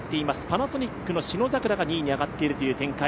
パナソニックの信櫻が２位に上がっている展開。